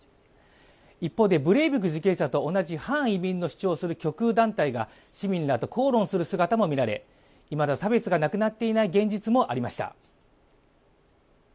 一方でブレイビク受刑者と同じ反移民の主張する極右団体が市民らと口論する姿もみられ、いまだ差別がなくなっていない現実もありました。